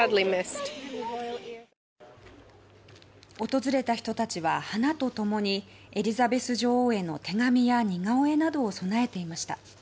訪れた人たちは、花と共にエリザベス女王への手紙や似顔絵などを供えていました。